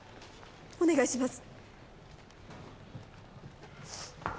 お願いします。